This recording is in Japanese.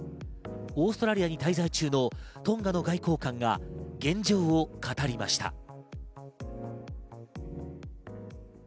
オーストラリアに滞在中のトンガの外交官が現状を語りました。